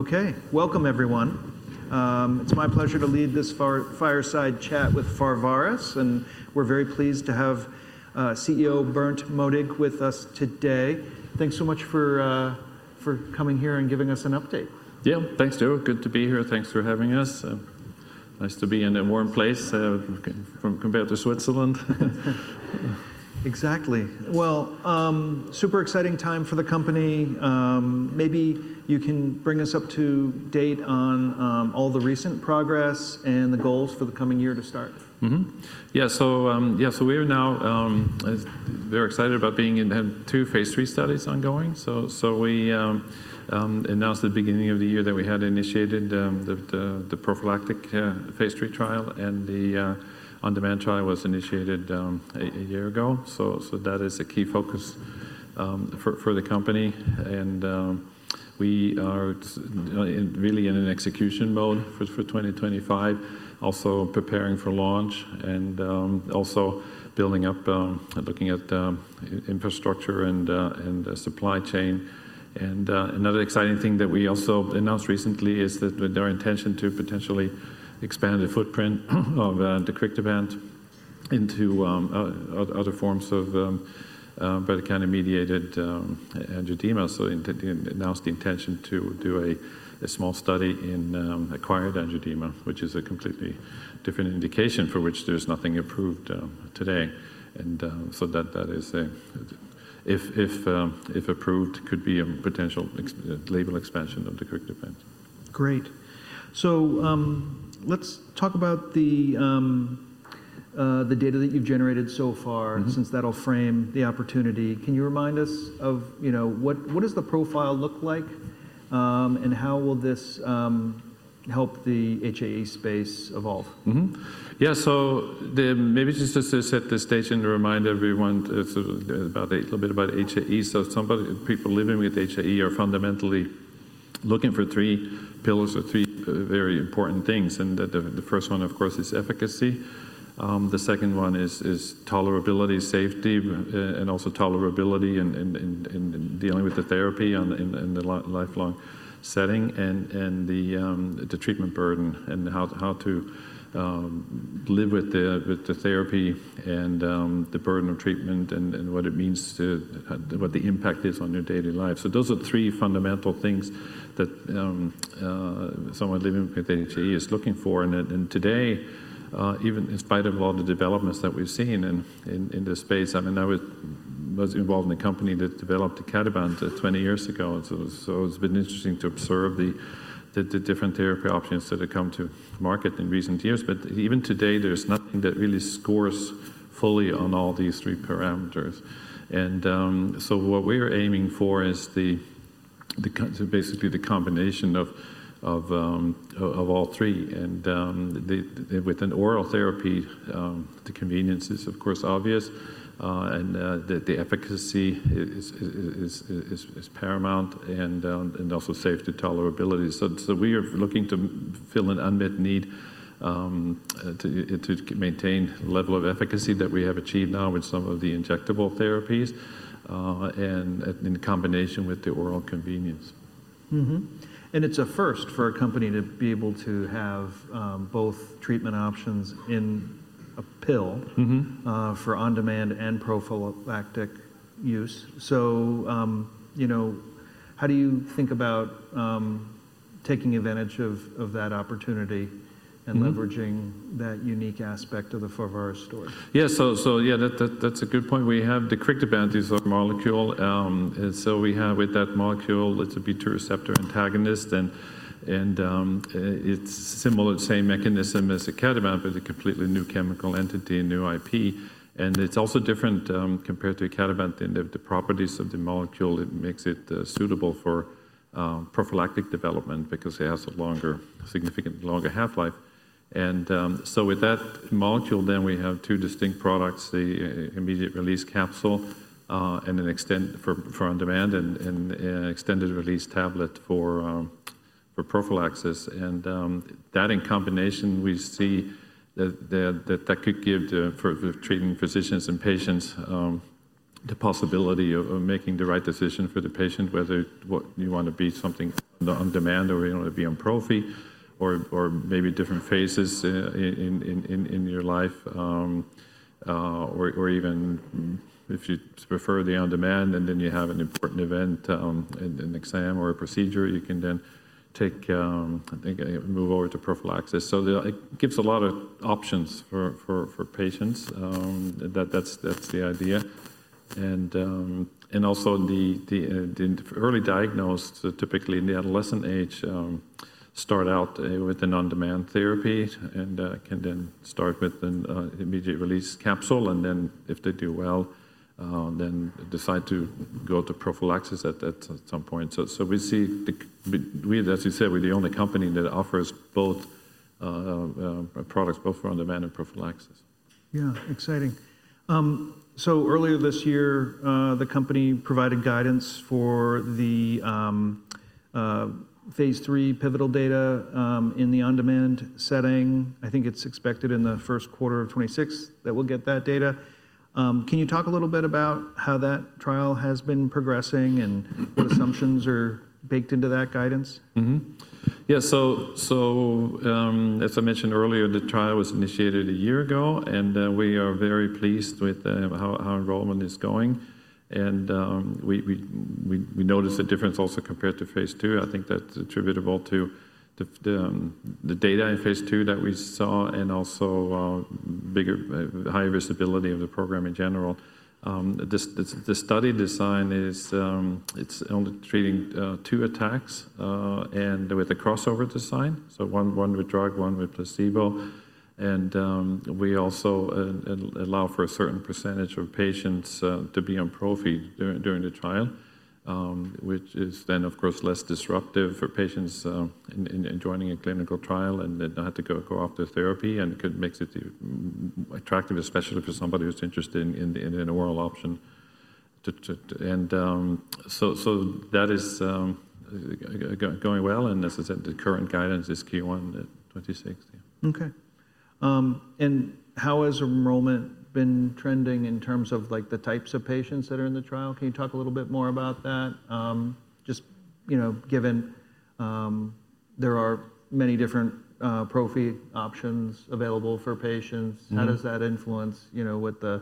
Okay, welcome everyone. It's my pleasure to lead this fireside chat with Pharvaris, and we're very pleased to have CEO Berndt Modig with us today. Thanks so much for coming here and giving us an update. Yeah, thanks, Joe. Good to be here. Thanks for having us. Nice to be in a warm place compared to Switzerland. Exactly. Super exciting time for the company. Maybe you can bring us up to date on all the recent progress and the goals for the coming year to start. Yeah, so we are now very excited about being in two phase III studies ongoing. We announced at the beginning of the year that we had initiated the prophylactic phase III trial, and the on-demand trial was initiated a year ago. That is a key focus for the company. We are really in an execution mode for 2025, also preparing for launch and also building up, looking at infrastructure and supply chain. Another exciting thing that we also announced recently is their intention to potentially expand the footprint of deucrictibant into other forms of bradykinin-mediated angioedema. They announced the intention to do a small study in acquired angioedema, which is a completely different indication for which there is nothing approved today. That is, if approved, could be a potential label expansion of the deucrictibant. Great. Let's talk about the data that you've generated so far, since that'll frame the opportunity. Can you remind us of what does the profile look like and how will this help the HAE space evolve? Yeah, maybe just to set the stage and remind everyone a little bit about HAE. People living with HAE are fundamentally looking for three pillars or three very important things. The first one, of course, is efficacy. The second one is tolerability, safety, and also tolerability in dealing with the therapy in the lifelong setting and the treatment burden and how to live with the therapy and the burden of treatment and what it means to what the impact is on your daily life. Those are three fundamental things that someone living with HAE is looking for. Today, even in spite of all the developments that we've seen in this space, I mean, I was involved in a company that developed icatibant 20 years ago. It's been interesting to observe the different therapy options that have come to market in recent years. Even today, there's nothing that really scores fully on all these three parameters. What we're aiming for is basically the combination of all three. With an oral therapy, the convenience is, of course, obvious, and the efficacy is paramount and also safe to tolerability. We are looking to fill an unmet need to maintain the level of efficacy that we have achieved now with some of the injectable therapies and in combination with the oral convenience. It's a first for a company to be able to have both treatment options in a pill for on-demand and prophylactic use. How do you think about taking advantage of that opportunity and leveraging that unique aspect of the Pharvaris story? Yeah, so yeah, that's a good point. We have deucrictibant, this is our molecule. And so we have with that molecule, it's a B2 receptor antagonist, and it's similar, same mechanism as icatibant, but a completely new chemical entity, new IP. And it's also different compared to icatibant in the properties of the molecule. It makes it suitable for prophylactic development because it has a longer, significantly longer half-life. With that molecule, then we have two distinct products, the immediate-release capsule for on-demand and extended-release tablet for prophylaxis. That in combination, we see that that could give the treating physicians and patients the possibility of making the right decision for the patient, whether you want to be something on demand or you want to be on prophylaxis or maybe different phases in your life. Even if you prefer the on-demand and then you have an important event, an exam or a procedure, you can then take, I think, move over to prophylaxis. It gives a lot of options for patients. That is the idea. Also, the early diagnosed, typically in the adolescent age, start out with an on-demand therapy and can then start with an immediate-release capsule. If they do well, then decide to go to prophylaxis at some point. We see, as you said, we are the only company that offers both products, both for on-demand and prophylaxis. Yeah, exciting. Earlier this year, the company provided guidance for the phase III pivotal data in the on-demand setting. I think it's expected in the first quarter of 2026 that we'll get that data. Can you talk a little bit about how that trial has been progressing and what assumptions are baked into that guidance? Yeah, as I mentioned earlier, the trial was initiated a year ago, and we are very pleased with how enrollment is going. We noticed a difference also compared to phase II. I think that's attributable to the data in phase II that we saw and also bigger, higher visibility of the program in general. The study design is only treating two attacks and with a crossover design, so one with drug, one with placebo. We also allow for a certain percentage of patients to be on prophylactic during the trial, which is then, of course, less disruptive for patients joining a clinical trial and not have to go off their therapy and makes it attractive, especially for somebody who's interested in an oral option. That is going well. As I said, the current guidance is Q1 2026. Okay. How has enrollment been trending in terms of the types of patients that are in the trial? Can you talk a little bit more about that? Just given there are many different prophylactic options available for patients, how does that influence what the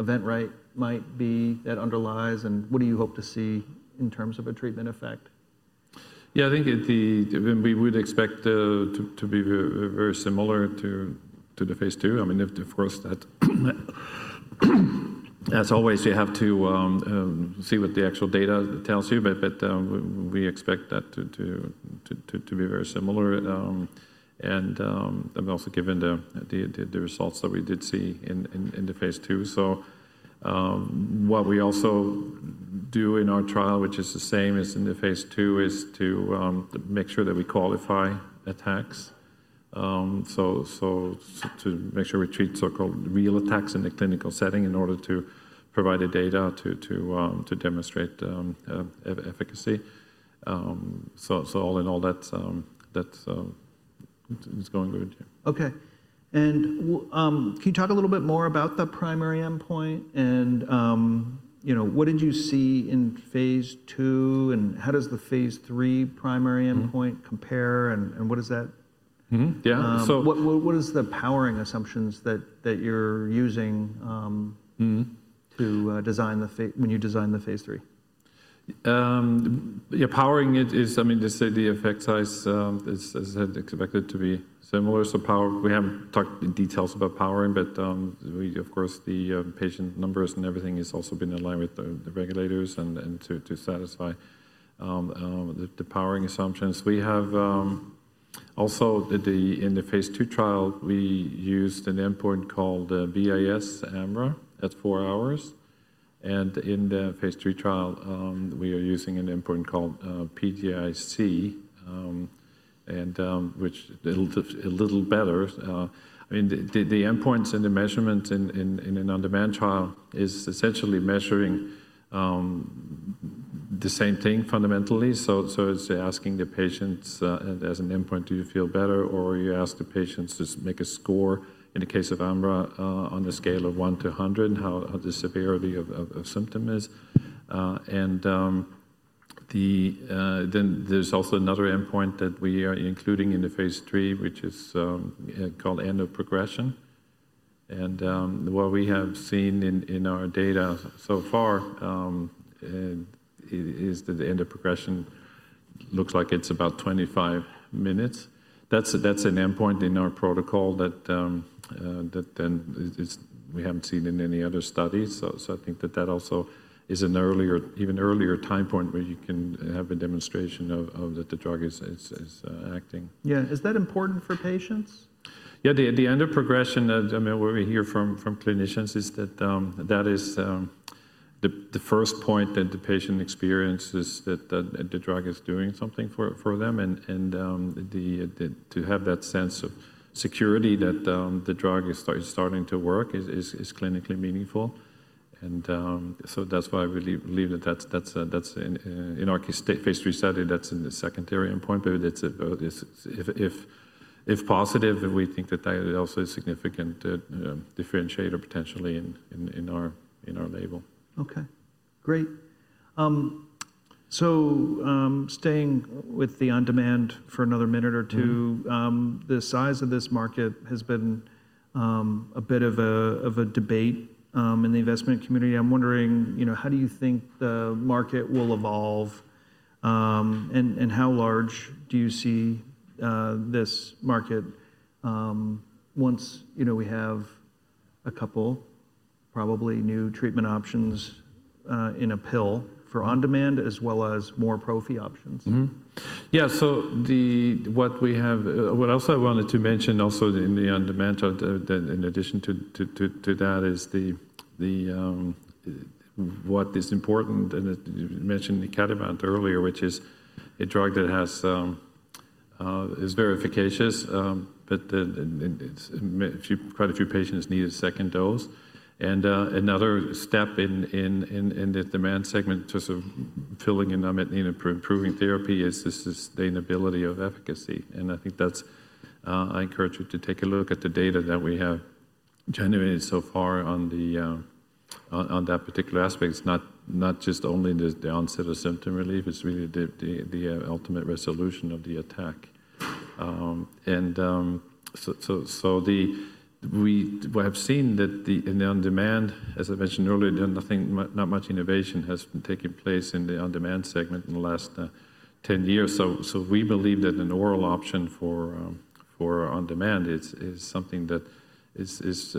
event rate might be that underlies and what do you hope to see in terms of a treatment effect? Yeah, I think we would expect to be very similar to the phase II. I mean, of course, as always, you have to see what the actual data tells you, but we expect that to be very similar. I mean, also given the results that we did see in the phase II. What we also do in our trial, which is the same as in the phase II, is to make sure that we qualify attacks to make sure we treat so-called real attacks in the clinical setting in order to provide data to demonstrate efficacy. All in all, that's going good. Okay. Can you talk a little bit more about the primary endpoint and what did you see in phase II and how does the phase III primary endpoint compare and what does that? Yeah. What is the powering assumptions that you're using to design the phase when you design the phase III? Yeah, powering is, I mean, the effect size is expected to be similar. We have not talked in details about powering, but of course, the patient numbers and everything has also been in line with the regulators and to satisfy the powering assumptions. We have also in the phase II trial, we used an endpoint called VAS AMRA at four hours. In the phase III trial, we are using an endpoint called PGI-C, which is a little better. I mean, the endpoints and the measurements in an on-demand trial is essentially measuring the same thing fundamentally. It is asking the patients as an endpoint, do you feel better or you ask the patients to make a score in the case of AMRA on a scale of one to one hundred, how the severity of symptom is. There is also another endpoint that we are including in the phase III, which is called end of progression. What we have seen in our data so far is that the end of progression looks like it is about 25 minutes. That is an endpoint in our protocol that we have not seen in any other studies. I think that also is an earlier, even earlier time point where you can have a demonstration that the drug is acting. Yeah. Is that important for patients? Yeah. The end of progression, I mean, what we hear from clinicians is that that is the first point that the patient experiences that the drug is doing something for them. To have that sense of security that the drug is starting to work is clinically meaningful. That is why I really believe that that is in our phase III study, that is in the secondary endpoint. If positive, we think that that also is a significant differentiator potentially in our label. Okay. Great. Staying with the on-demand for another minute or two, the size of this market has been a bit of a debate in the investment community. I'm wondering, how do you think the market will evolve and how large do you see this market once we have a couple probably new treatment options in a pill for on-demand as well as more prophy options? Yeah. What we have, what else I wanted to mention also in the on-demand, in addition to that, is what is important. You mentioned the icatibant earlier, which is a drug that is very efficacious, but quite a few patients need a second dose. Another step in the demand segment to sort of filling an unmet need for improving therapy is the sustainability of efficacy. I think that's, I encourage you to take a look at the data that we have generated so far on that particular aspect. It's not just only the onset of symptom relief, it's really the ultimate resolution of the attack. We have seen that in the on-demand, as I mentioned earlier, not much innovation has taken place in the on-demand segment in the last 10 years. We believe that an oral option for on-demand is something that is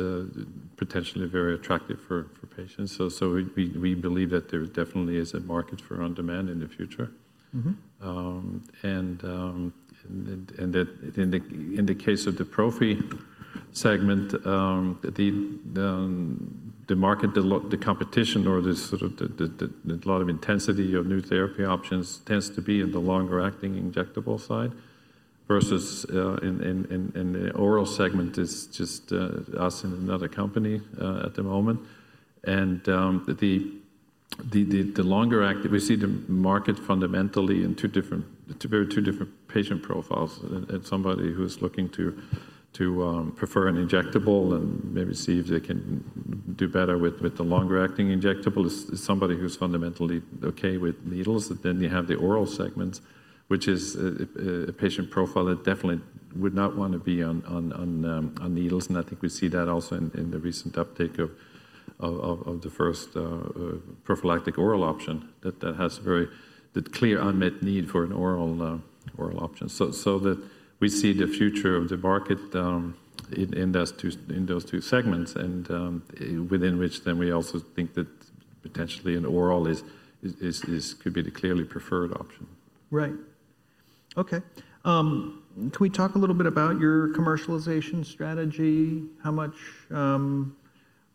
potentially very attractive for patients. We believe that there definitely is a market for on-demand in the future. In the case of the prophy segment, the market, the competition or the sort of a lot of intensity of new therapy options tends to be in the longer acting injectable side versus in the oral segment is just us and another company at the moment. The longer acting, we see the market fundamentally in two different patient profiles. Somebody who is looking to prefer an injectable and maybe see if they can do better with the longer acting injectable is somebody who is fundamentally okay with needles. You have the oral segments, which is a patient profile that definitely would not want to be on needles. I think we see that also in the recent uptake of the first prophylactic oral option that has very clear unmet need for an oral option. We see the future of the market in those two segments and within which then we also think that potentially an oral could be the clearly preferred option. Right. Okay. Can we talk a little bit about your commercialization strategy? How much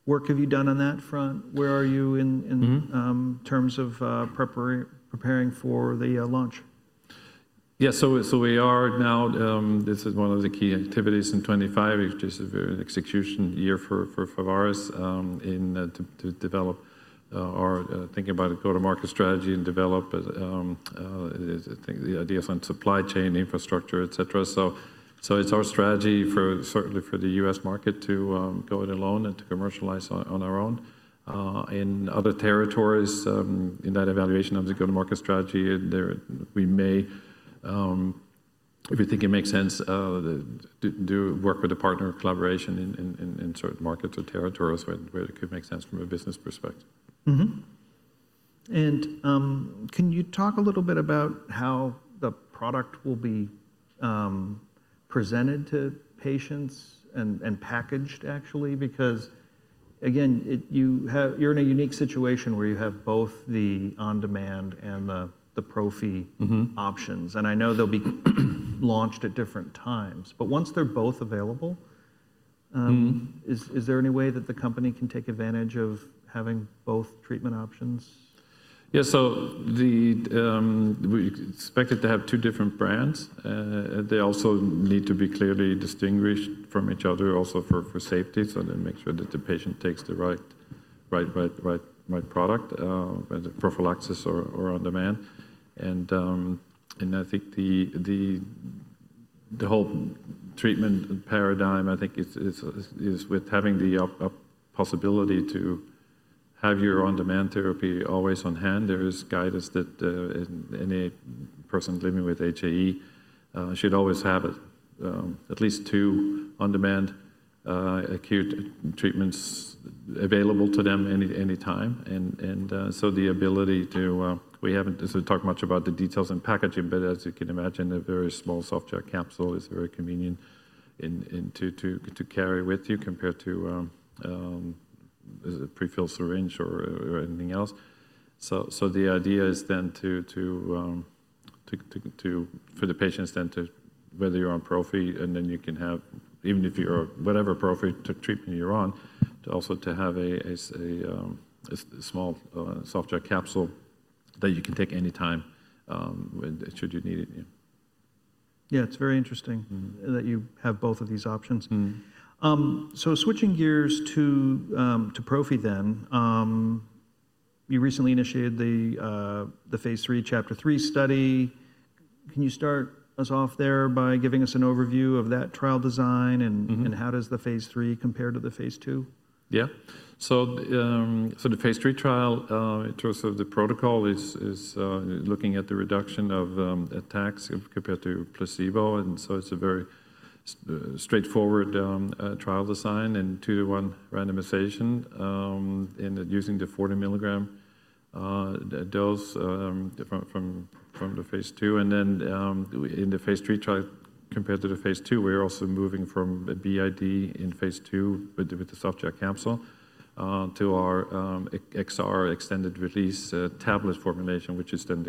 work have you done on that front? Where are you in terms of preparing for the launch? Yeah. We are now, this is one of the key activities in 2025, which is a very execution year for Pharvaris to develop our thinking about a go-to-market strategy and develop the ideas on supply chain infrastructure, etc. It is our strategy certainly for the U.S. market to go it alone and to commercialize on our own. In other territories, in that evaluation of the go-to-market strategy, we may, if we think it makes sense, work with a partner collaboration in certain markets or territories where it could make sense from a business perspective. Can you talk a little bit about how the product will be presented to patients and packaged actually? Because again, you're in a unique situation where you have both the on-demand and the prophylactic options. I know they'll be launched at different times, but once they're both available, is there any way that the company can take advantage of having both treatment options? Yeah. We expect it to have two different brands. They also need to be clearly distinguished from each other also for safety. That makes sure that the patient takes the right product, prophylaxis or on-demand. I think the whole treatment paradigm is with having the possibility to have your on-demand therapy always on hand. There is guidance that any person living with HAE should always have at least two on-demand acute treatments available to them any time. The ability to, we haven't talked much about the details in packaging, but as you can imagine, a very small softgel capsule is very convenient to carry with you compared to a prefilled syringe or anything else. The idea is then for the patients then to, whether you're on prophylactic and then you can have, even if you're whatever prophylactic treatment you're on, also to have a small softgel capsule that you can take anytime should you need it. Yeah. It's very interesting that you have both of these options. Switching gears to prophy then, you recently initiated the phase III CHAPTER-3 study. Can you start us off there by giving us an overview of that trial design and how does the phase III compare to the phase II? Yeah. The phase III trial in terms of the protocol is looking at the reduction of attacks compared to placebo. It is a very straightforward trial design and two-to-one randomization using the 40 mg dose from the phase II. In the phase III trial compared to the phase II, we're also moving from BID in phase II with the softgel capsule to our XR, extended-release tablet formulation, which is then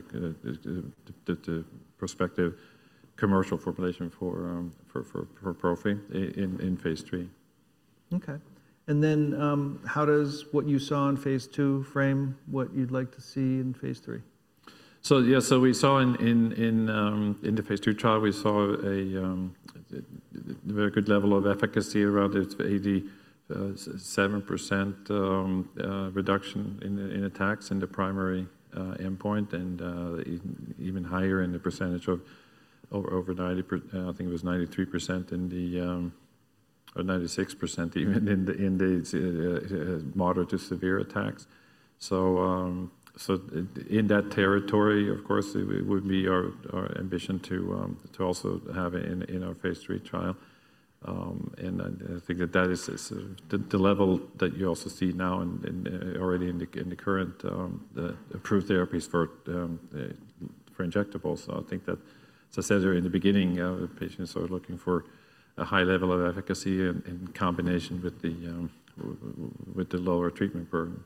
the prospective commercial formulation for prophylaxis in phase III. Okay. How does what you saw in phase II frame what you'd like to see in phase III? Yeah, we saw in the phase II trial, we saw a very good level of efficacy, around 87% reduction in attacks in the primary endpoint and even higher in the percentage of over 90%. I think it was 93% or 96% even in the moderate to severe attacks. In that territory, of course, it would be our ambition to also have in our phase III trial. I think that that is the level that you also see now already in the current approved therapies for injectables. I think that, as I said in the beginning, patients are looking for a high level of efficacy in combination with the lower treatment burden.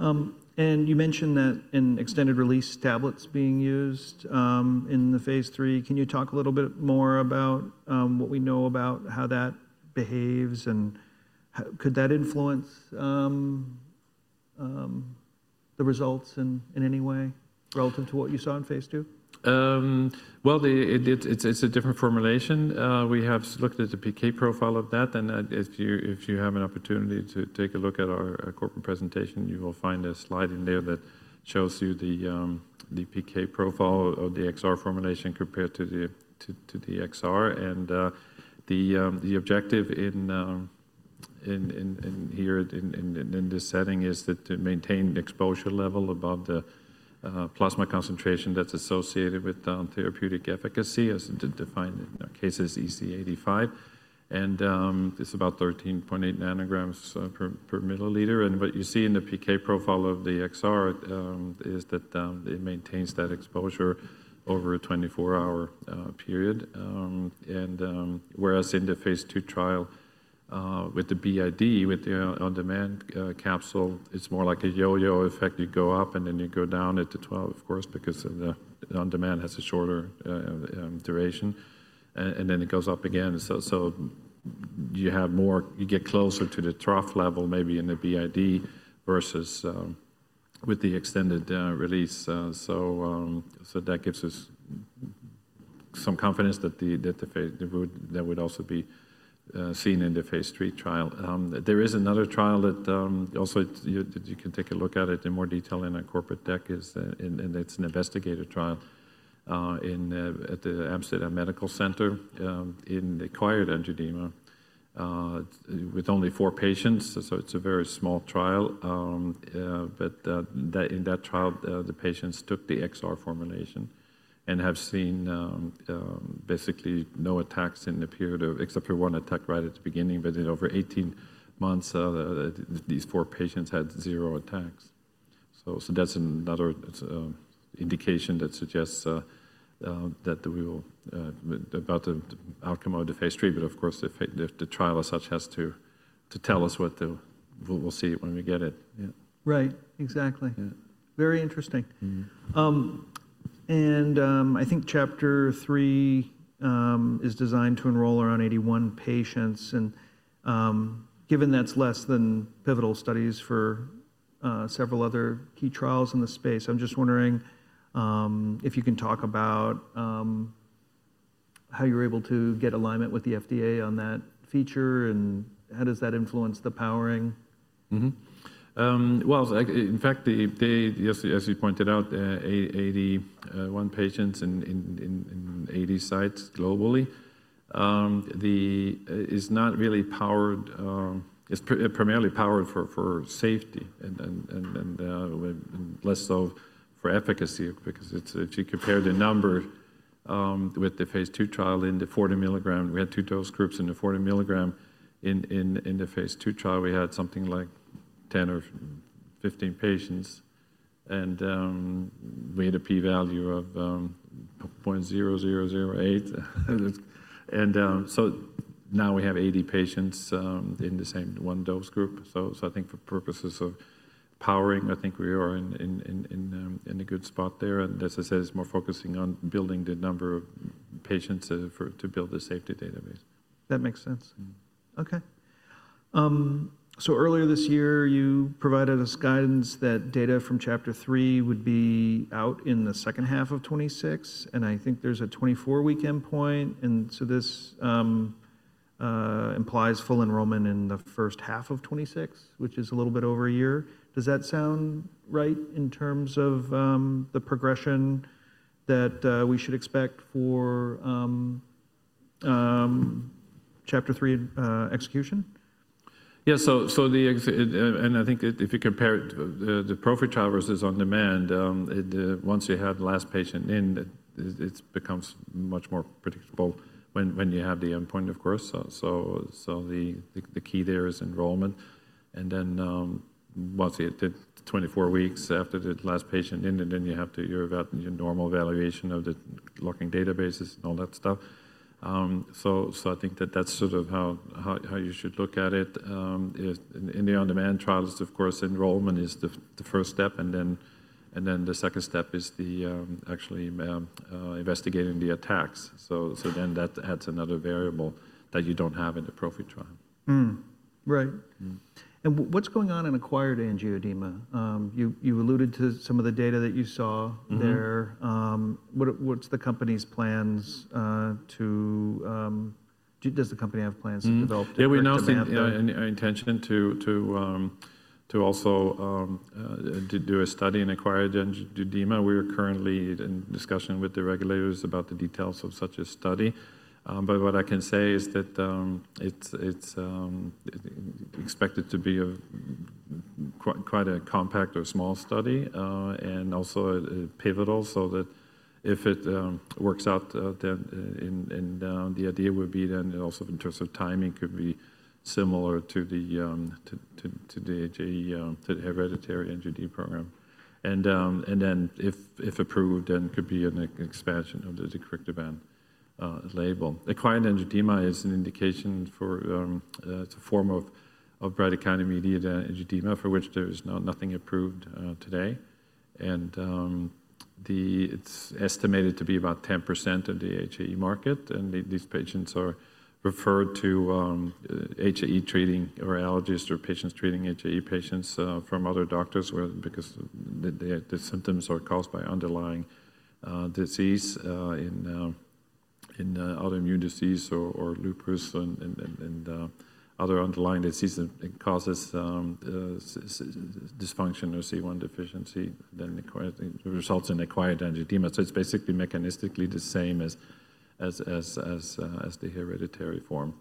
Okay. You mentioned that in extended-release tablets being used in the phase III. Can you talk a little bit more about what we know about how that behaves and could that influence the results in any way relative to what you saw in phase II? It's a different formulation. We have looked at the PK profile of that. If you have an opportunity to take a look at our corporate presentation, you will find a slide in there that shows you the PK profile of the XR formulation compared to the XR. The objective here in this setting is to maintain exposure level above the plasma concentration that's associated with therapeutic efficacy as defined in our case as EC85. It's about 13.8 nanograms per milliliter. What you see in the PK profile of the XR is that it maintains that exposure over a 24-hour period. Whereas in the phase II trial with the BID, with the on-demand capsule, it's more like a yo-yo effect. You go up and then you go down at the 12, of course, because the on-demand has a shorter duration. It goes up again. You get closer to the trough level maybe in the BID versus with the extended-release. That gives us some confidence that that would also be seen in the phase III trial. There is another trial that you can take a look at in more detail in our corporate deck. It is an investigator trial at the Amsterdam Medical Center in the acquired angioedema with only four patients. It is a very small trial. In that trial, the patients took the XR formulation and have seen basically no attacks in the period except for one attack right at the beginning. In over 18 months, these four patients had zero attacks. That is another indication that suggests that we will about the outcome of the phase III. Of course, if the trial as such has to tell us what we'll see when we get it. Right. Exactly. Very interesting. I think CHAPTER-3 is designed to enroll around 81 patients. Given that's less than pivotal studies for several other key trials in the space, I'm just wondering if you can talk about how you're able to get alignment with the FDA on that feature and how does that influence the powering? In fact, as you pointed out, 81 patients in 80 sites globally. It's not really powered. It's primarily powered for safety and less so for efficacy because if you compare the number with the phase II trial in the 40 mg, we had two dose groups in the 40 mg. In the phase II trial, we had something like 10 or 15 patients. We had a P value of 0.0008. Now we have 80 patients in the same one dose group. I think for purposes of powering, I think we are in a good spot there. As I said, it's more focusing on building the number of patients to build the safety database. That makes sense. Okay. Earlier this year, you provided us guidance that data from CHAPTER-3 would be out in the second half of 2026. I think there is a 24-week endpoint. This implies full enrollment in the first half of 2026, which is a little bit over a year. Does that sound right in terms of the progression that we should expect for CHAPTER-3 execution? Yeah. I think if you compare it, the prophylactic trial versus on-demand, once you have the last patient in, it becomes much more predictable when you have the endpoint, of course. The key there is enrollment. Once you hit the 24 weeks after the last patient in, then you are at your normal evaluation of the locking databases and all that stuff. I think that is sort of how you should look at it. In the on-demand trials, enrollment is the first step. The second step is actually investigating the attacks. That adds another variable that you do not have in the prophylactic trial. Right. What's going on in acquired angioedema? You alluded to some of the data that you saw there. What's the company's plans to does the company have plans to develop? Yeah. We now see an intention to also do a study in acquired angioedema. We are currently in discussion with the regulators about the details of such a study. What I can say is that it's expected to be quite a compact or small study and also pivotal so that if it works out, the idea would be then also in terms of timing could be similar to the hereditary angioedema program. If approved, then could be an expansion of the deucrictibant label. Acquired angioedema is an indication for, it's a form of bradykinin-mediated angioedema for which there is nothing approved today. It's estimated to be about 10% of the HAE market. These patients are referred to HAE treating or allergists or patients treating HAE patients from other doctors because the symptoms are caused by underlying disease in autoimmune disease or lupus and other underlying disease. It causes dysfunction or C1 deficiency, then results in acquired angioedema. It is basically mechanistically the same as the hereditary form.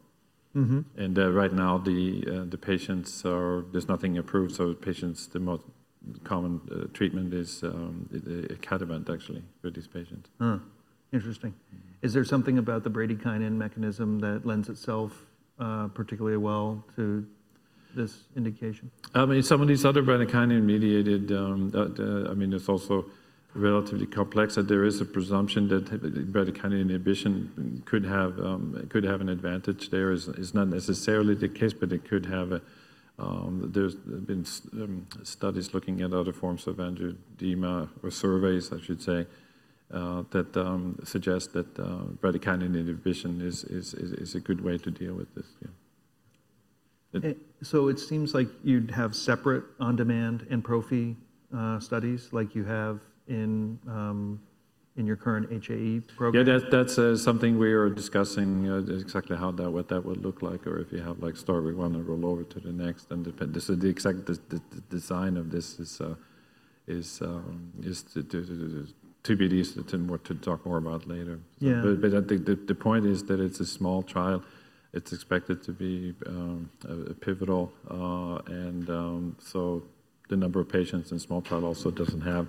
Right now, the patients are there's nothing approved. Patients, the most common treatment is icatibant actually for these patients. Interesting. Is there something about the bradykinin mechanism that lends itself particularly well to this indication? I mean, some of these other bradykinin mediated, I mean, it's also relatively complex that there is a presumption that bradykinin inhibition could have an advantage there. It's not necessarily the case, but it could have a, there's been studies looking at other forms of angioedema or surveys, I should say, that suggest that bradykinin inhibition is a good way to deal with this. It seems like you'd have separate on-demand and profit studies like you have in your current HAE program? Yeah. That's something we are discussing, exactly how that would look like or if you have like story, we want to roll over to the next. This is the exact design of this, to be more to talk more about later. I think the point is that it's a small trial. It's expected to be pivotal. The number of patients in small trial also doesn't have,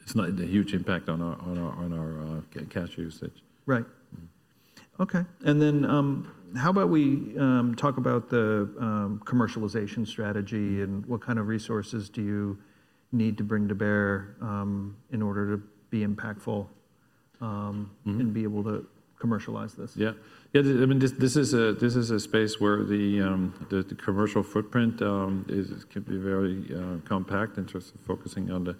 it's not a huge impact on our cash usage. Right. Okay. How about we talk about the commercialization strategy and what kind of resources do you need to bring to bear in order to be impactful and be able to commercialize this? Yeah. Yeah. I mean, this is a space where the commercial footprint can be very compact in terms of focusing on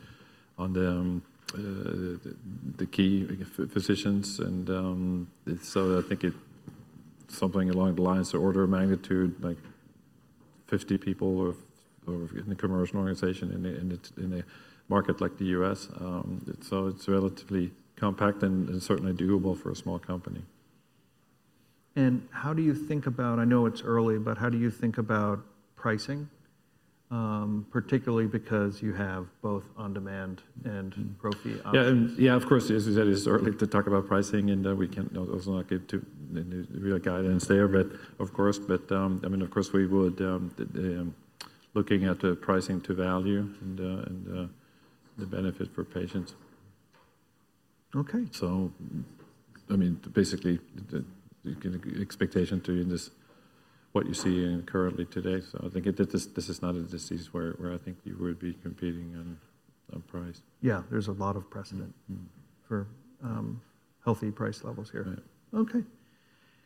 the key physicians. I think it's something along the lines of order of magnitude, like 50 people in a commercial organization in a market like the U.S. It is relatively compact and certainly doable for a small company. How do you think about, I know it's early, but how do you think about pricing, particularly because you have both on-demand and prophylactic? Yeah. Yeah, of course, as I said, it's early to talk about pricing. We can also not give too real guidance there, but of course, I mean, of course, we would be looking at the pricing to value and the benefit for patients. Okay. I mean, basically, the expectation to what you see currently today. I think this is not a disease where I think you would be competing on price. Yeah. There's a lot of precedent for healthy price levels here. Okay.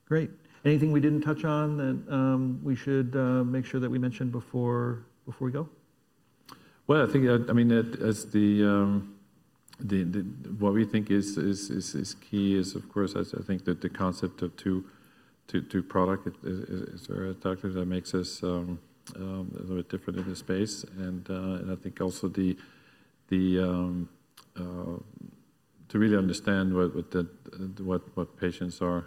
Great. Anything we didn't touch on that we should make sure that we mentioned before we go? I think, I mean, what we think is key is, of course, I think that the concept of two products is a factor that makes us a little bit different in the space. I think also to really understand what patients are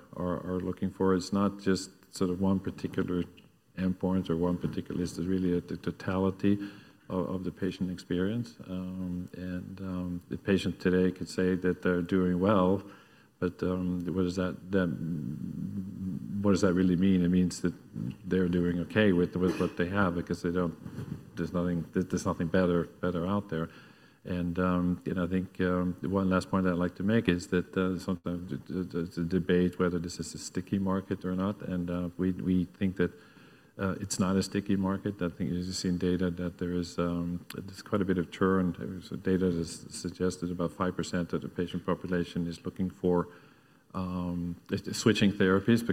looking for, it's not just sort of one particular endpoint or one particular list. It's really the totality of the patient experience. The patient today could say that they're doing well, but what does that really mean? It means that they're doing okay with what they have because there's nothing better out there. I think one last point I'd like to make is that sometimes there's a debate whether this is a sticky market or not. We think that it's not a sticky market. I think you've seen data that there is quite a bit of churn. Data has suggested about 5% of the patient population is looking for switching therapies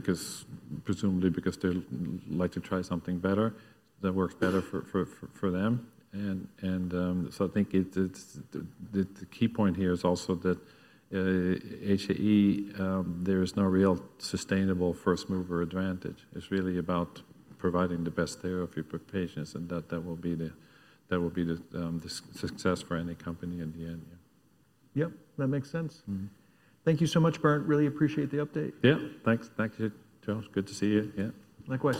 presumably because they'd like to try something better that works better for them. I think the key point here is also that HAE, there is no real sustainable first mover advantage. It's really about providing the best therapy for patients. That will be the success for any company in the end. Yep. That makes sense. Thank you so much, Berndt. Really appreciate the update. Yeah. Thanks. Thank you, Joe. It's good to see you. Yeah. Likewise.